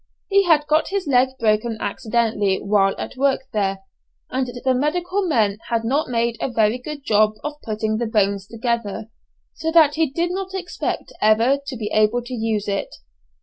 He had got his leg broken accidentally while at work there, and the medical men had not made a very good job of putting the bones together, so that he did not expect ever to be able to use it.